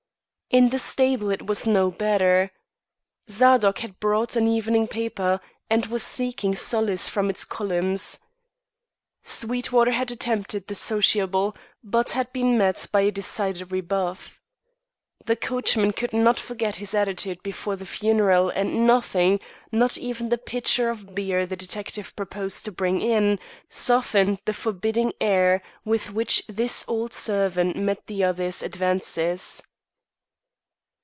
In the stable it was no better. Zadok had bought an evening paper, and was seeking solace from its columns. Sweetwater had attempted the sociable but had been met by a decided rebuff. The coachman could not forget his attitude before the funeral and nothing, not even the pitcher of beer the detective proposed to bring in, softened the forbidding air with which this old servant met the other's advances.